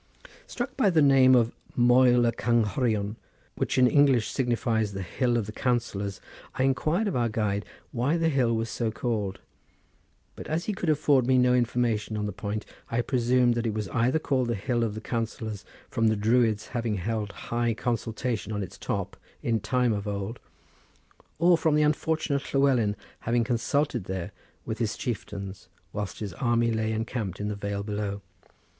Struck by the name of Moel y Cynghorion, which in English signifies the hill of the counsellors, I inquired of our guide why the hill was so called, but as he could afford me no information on the point I presumed that it was either called the hill of the counsellors from the Druids having held high consultation on its top, in time of old, or from the unfortunate Llewelyn having consulted there with his chieftains, whilst his army lay encamped in the vale below.